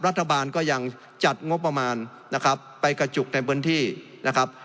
รัฐบาลก็ยังจัดงบประมาณนะครับไปกระจุกในพื้นที่นะครับ